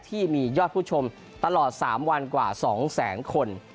ที่มียอดผู้ชมตลอด๓วันกว่า๒แสนคน